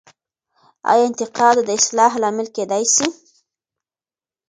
آیا انتقاد د اصلاح لامل کیدای سي؟